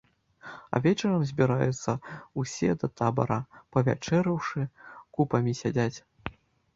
А вечарам збіраюцца ўсе да табара, павячэраўшы, купамі сядзяць.